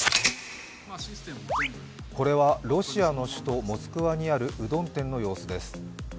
これは、ロシアの首都モスクワにあるうどん店の様子です。